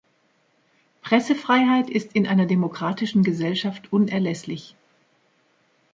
Pressefreiheit ist in einer demokratischen Gesellschaft unerlässlich.